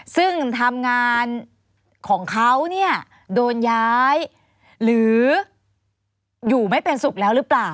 ซึ่งทำงานของเขาเนี่ยโดนย้ายหรืออยู่ไม่เป็นสุขแล้วหรือเปล่า